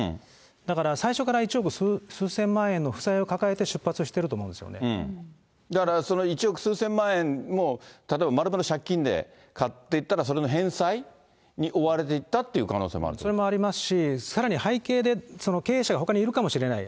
だから最初から一億数千万円の負債を抱えて、出発してると思うんだからその一億数千万円も、例えばまるまる借金で買っていったら、その返済に追われていったそれもありますし、さらに背景で、経営者が、ほかにいるかもしれない。